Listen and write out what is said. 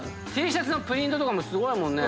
Ｔシャツのプリントすごいもん。